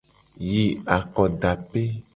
Yi akodape.